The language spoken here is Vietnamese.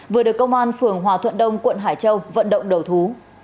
vừa được công an phường hòa thuận đông quận hải châu vận động đầu thú